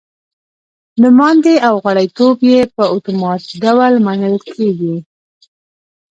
نوماندي او غړیتوب یې په اتومات ډول منل کېږي.